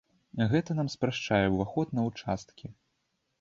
Гэта нам спрашчае ўваход на ўчасткі.